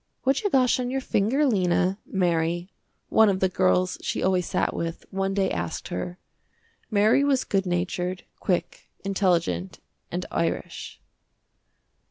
"What you got on your finger Lena," Mary, one of the girls she always sat with, one day asked her. Mary was good natured, quick, intelligent and Irish.